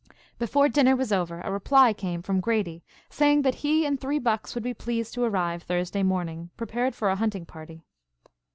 Before dinner was over a reply came from Grady saying that he and three bucks would be pleased to arrive Thursday morning prepared for a hunting party.